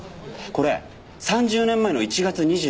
これ３０年前の１月２５日